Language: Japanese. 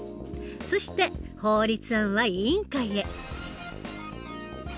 そして法律案は委員会へ。